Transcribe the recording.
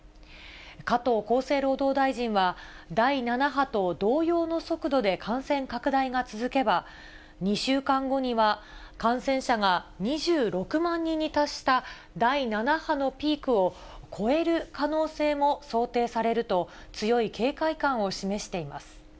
加藤厚生労働大臣は、第７波と同様の速度で感染拡大が続けば、２週間後には、感染者が２６万人に達した第７波のピークを超える可能性も想定されると、強い警戒感を示しています。